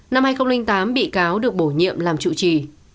năm hai nghìn tám bị cáo được bổ nhiệm làm chủ trì